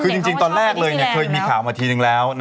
คือจริงตอนแรกเลยเคยมีข่าวมาทีนึงแล้ว